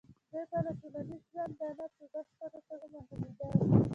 دوی به له ټولنیز ژونده په بشپړه توګه محرومېدل.